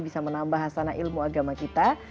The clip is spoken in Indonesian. bisa menambah hasana ilmu agama kita